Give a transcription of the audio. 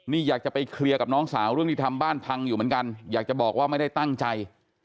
นี่อยากจะไปเคลียร์กับน้องสาวเรื่องที่ทำบ้านพังอยู่เหมือนกันอยากจะบอกว่าไม่ได้ตั้งใจ